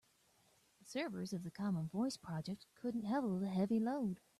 The servers of the common voice project couldn't handle the heavy load.